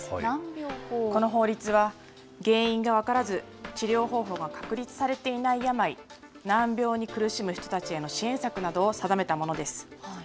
この法律は、原因が分からず、治療方法が確立されていない病、難病に苦しむ人たちへの支援策などを定めたものです。